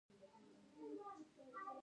که یو هېواد بل ته یو میلیون افغانۍ ورکړي